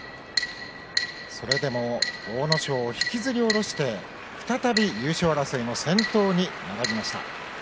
それでも阿武咲を引きずり下ろして再び優勝争いの先頭になりました。